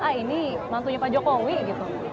ah ini mantunya pak jokowi gitu